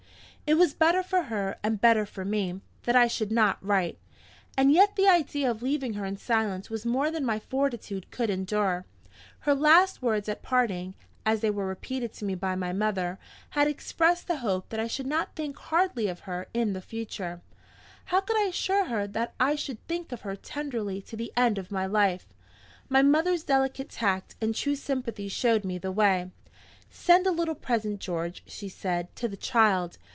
It was better for her, and better for me, that I should not write. And yet the idea of leaving her in silence was more than my fortitude could endure. Her last words at parting (as they were repeated to me by my mother) had expressed the hope that I should not think hardly of her in the future. How could I assure her that I should think of her tenderly to the end of my life? My mother's delicate tact and true sympathy showed me the way. "Send a little present, George," she said, "to the child.